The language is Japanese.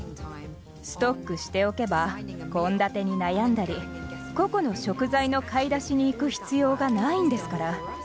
ストックしておけば献立に悩んだり個々の食材の買い出しに行く必要がないんですから。